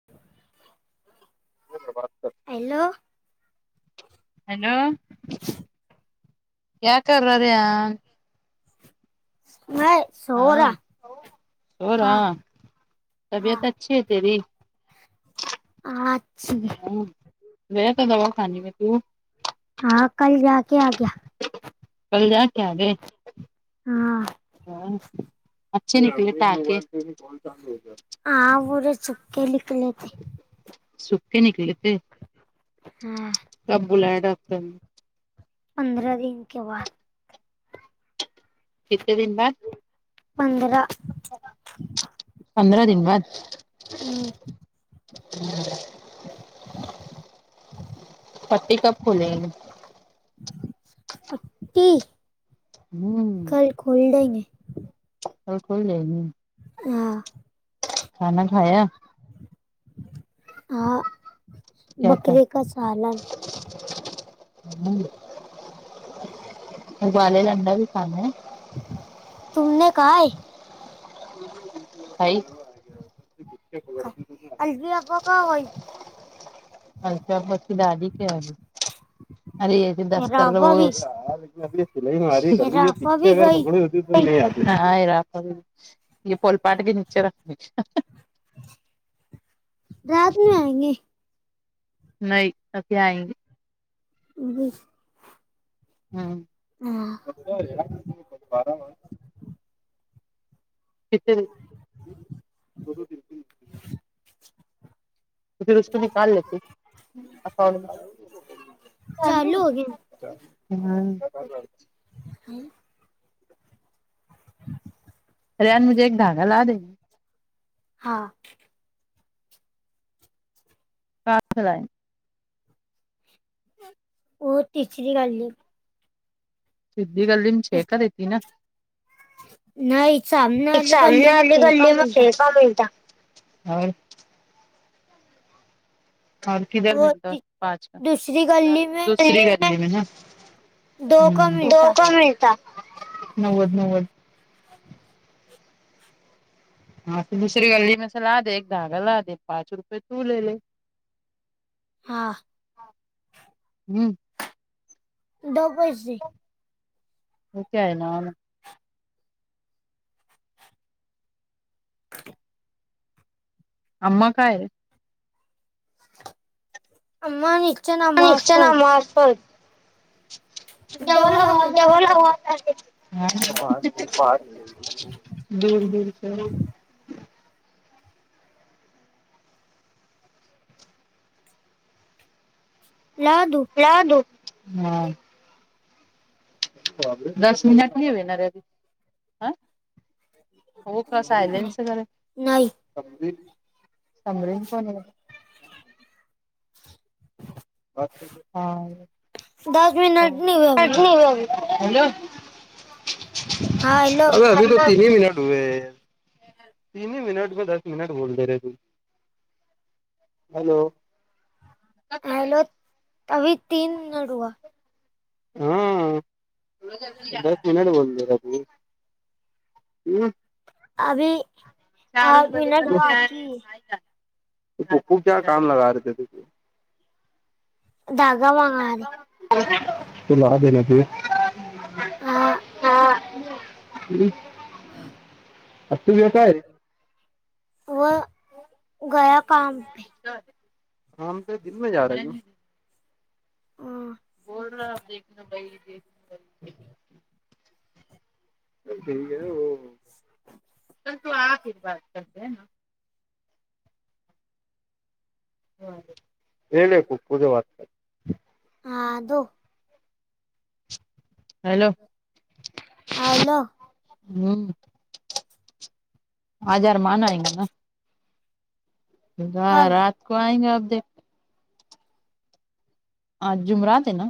[inaudible] Hello hello [unintelligible] [unintelligible] रहा हाँ हाँ [unintelligible] अच्छी [unintelligible] [unintelligible] हाँ [unintelligible] [unintelligible] [unintelligible] [unintelligible] [unintelligible] [unintelligible] [unintelligible] [unintelligible] [unintelligible] [unintelligible] [unintelligible] [unintelligible] [unintelligible] [unintelligible] कल खोल देंगे [unintelligible] [unintelligible] [unintelligible] क्या खाया [unintelligible] [unintelligible] [unintelligible] [unintelligible] हो अच्छा बची दाडी के आली अरे येी दस्तर रापा भी सिलाई मली रापा पिछे भी अगर गई पकडी होती हाय रा फोलपाट के निीचेे रा राात म आयंगे नाही अे आयगे वष हम् बारावा किथ [unintelligible] र उको निकालेते हम् चालू हो गए हम् रेन मुणझे एक धग लाा देे हा काला हो तिचरी गल आहे सिद्ध गली इस शेकत येत ना नहीं सामने एक वाली गली में सामनाली छह का गल्ली म मिलता फेर मिळता हो किधर वो मिळत ती- पाच दूसरी का गली में दुसरी गल्ज म ह दो का तो मिलता काण मिळता नव्वद नव्वद ह दुसरी गल्ली मस ला दे एक धागा ला दे पाच रुपये तूलेले हा हम्म दो पैसे क आहे ना आम्मा काय अ् नि्चन निचणा मार्फत जवल डबल हवा आवाज आ जवल रही है। हवा दूर दूरचे लाद आपला दो हा दस मिनिटली होणार रे ह हो का सायलेनर नहीं समरन पण हा दस मिनट नहीं हुए अभी अर हाँ हेलो अज त तीन मिनिट तीनही मनट ब दस मिनट बोल दे र तू हॅलो हेलो अभी तीन नडुवा हा दस मिनट बोलत ह अभी आठ रुपये मनट वाककी तू खूप चार काम लगा त दधागा वागर तला देला त हाँ हम् व ग काम पे. आम ते दिन मे जा र. हाँ बोल रहा देणे भाई देई. क आहे तर तू आ बा करते ना. ह हु पूजे वाारता. ह अज. हॅलो. अयल. हम्म आजार मानयंग ना. कब राात को आयगे आप. हा जुमरा ते ना.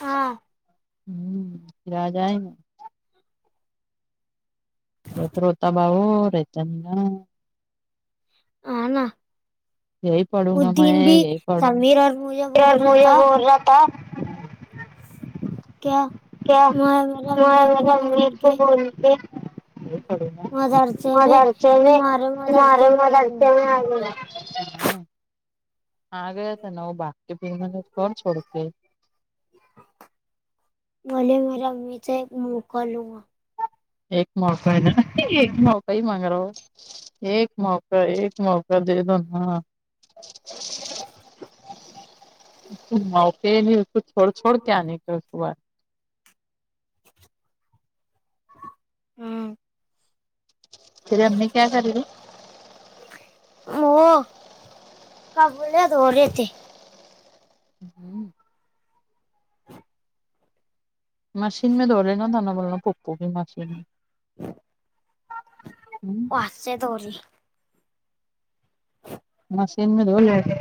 हं. हम्म फिर आजयग. हो तर होता भाऊ रेता ना. हा ना यही पढ़ूंगा मैं उदीन भी यही समीर और मुजा बोल रहा. ता. क क्या म म अ्मी को बोलग. होणते. मदरसे में मदरसे म तुम्हारे मारे मदरसे में आ जाओ मदरसे म आले हा आगयता नव बाकीकी बि तोर्सोडतेे. बोले मे अम्मीचे एक मोका लूा. एक मौका आहे ना एक मका ह मागरा. एक मौका एक मौका दे दो ना. [inaudible] मावक नाही वतू ोडछोड क्या नि करतू वा. हम ते अमनी क्या करेल. हो काबलत हो रे ते. मशीन दोडल ना ध नाना बोलला नाक. कप मास हम्. पचे तोरी. [inaudible] मसेन म द.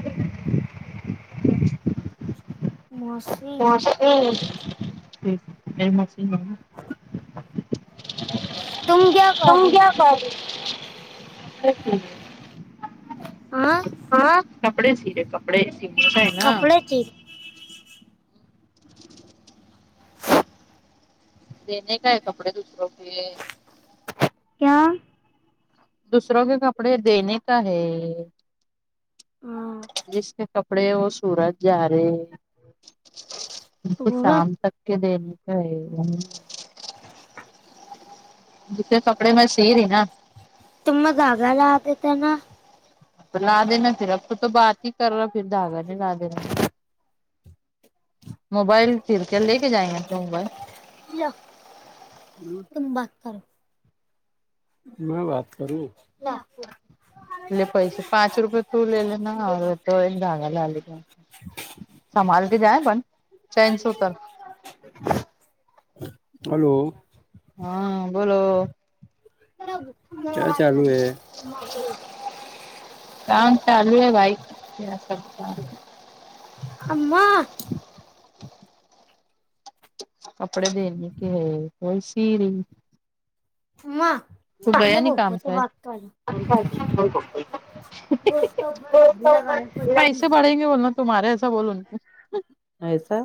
[unintelligible] [unintelligible] तुम क्या कर रही [unintelligible] हो. आं. हा कपडे सी र कपडे सी मोसा आहे ना. पाखी. देणे काय कपडे दुसर क क्या? दुसरं का कपडे देणे का आहे. [inaudible] [inaudible] जिसक कपडे व सरज जा रे है सूरत शम तक. के देणे पा आहे. जिथे कपडे म सी री ना. तुम गगाला आगेत ना. लाा देना फर अ त त बाात ह कर र फ धागाने लाा देना ह. मोबाईलिरक के जायगे आपो मोबाईल. या तुम्ही बाात कर. म बाात करू. ले पैसे पाच रुपये तूलेले ना जागाला आले का? संभल के जाय पण चनसो तर हॅलो हा बोोल का चालू आहे. काम चालू आहे बाईक या. आमा. कपडे देणे क हे को सी र. म. तू गया नाही काम का? पप्पूचा? हिला काय पैसे कैसे नाही. पढेंगे बोल ना तुमहारे सा बोल आहेचा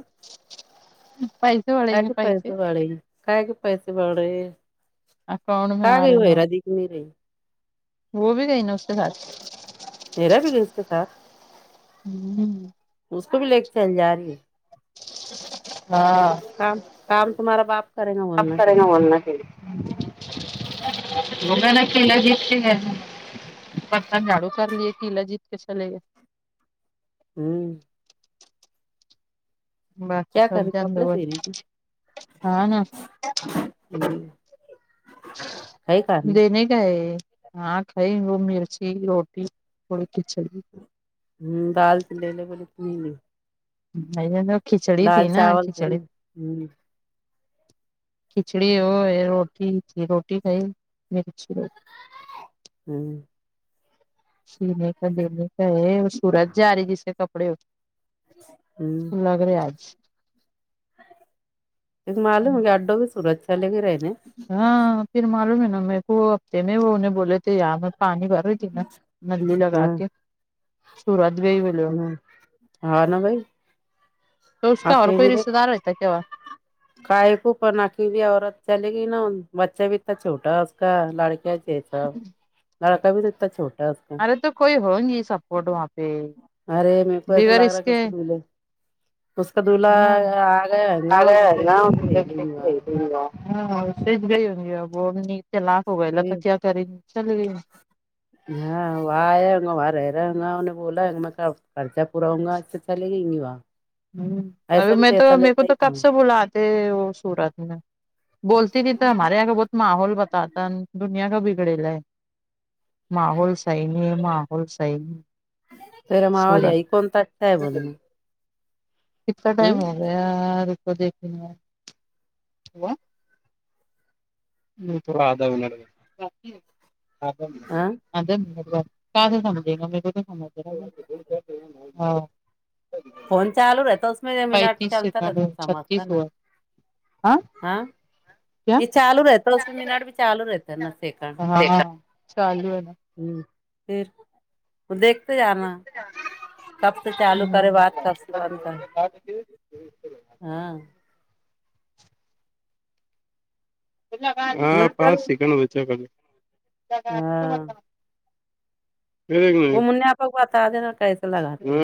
पाहि.. काय क पाहियचं बाळे काय क पाहिच बाळे अकाउंट में का आ काय होयरादी क नाही रही वंी काही नते हेरा बी घसत स [unintelligible] उसको भ ललेक अज र आहे [unintelligible] हाँ काम काम तुम्हाारा बाप. करेगा बोलना फिर करेगा हो हम्म गया ना. किला जीत के ह बर्तन झााडू कर लि किला जीत के चले ग. हम्म बस क्या कर रही सज कपड़े सी रही थी हा ना. हम्म है कारण देणे काय हा खाई मिर्ची रोटी थोडी खिचडी. हम्म दाल चलेले बोल तुली ज खिचडी ती ना चावल थे खिचडी ना हम्म खिचडी होय रोटी रोटी खाई मिर्ची हम् सीने का देणे का हे सरत जा र जिसचे कपडे होते हम्म ू लाग रे आज एक मले म्हगे अड्डो बी सुरचछलेगे रा आहेने हा फिर मालूम आहे ना म हफ्ते मे बले ते ह म पाणी भर नली लग हाँ क सुरात गेई बलो हाँ हाँ ना भाई तरोसका हर कोई रिश्तेदार होता कव्हा कायकू पनाखी ही औरत चले ग ना बच्चाा भ इ छोटाका लडक्या. तेचा नळका बी तता छोटा. अरे कोई हो न सपोर्ट वपे अरे म पैसा लाग र कसक मले. का दुू आग ह ना दुहेे को लक रही देऊगा हा सेच गय हग अ न तलाक हो गला तर फिर क करे चल गई. हा वायंग वाररन पला म का. पुऊंगा असचं ले गईंगी वा. ह्म अ म त मेक त कबसे बुलाते सूरत म बोलती ती तर हमारे य का बहत माहोल बताता दुनया का बिघडला आहे. माहोल सही नाही आहे माहोल स तरामावालीई कोणता आहे बोलण. किता टाइम होगया रो देख. ह. राधावन. अ हाँ का सम. फोन चाू रहतासमे एक मनट चलता र किस समजता ना हुआ हाँ हा. क्या ये चालू राहता असस मनट भी चाू राहता ना सेकंड हाँ चालू आहे. ह फर दे. ज कबसे चालू करे बाात कबसे बंद कर हा. हा मतलब पाच चल सकड बच. हाँ व मुन्यापक बता दे ना कैसे लगते.